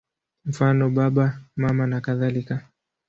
Mfano: Baba, Mama nakadhalika.